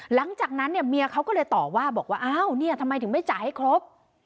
หลังจากนั้นเนี่ยเมียเขาก็เลยตอบว่าบอกว่าอ้าวเนี่ยทำไมถึงไม่จ่ายให้ครบ